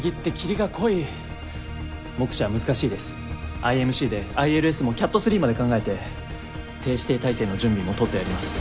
ＩＭＣでＩＬＳもＣＡＴⅢまで考えて低視程体制の準備もとってあります。